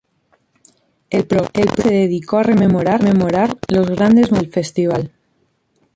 El programa se dedicó a rememorar los grandes momentos del festival.